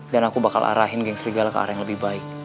dan aku bakal arahin geng serigala ke arah yang lebih baik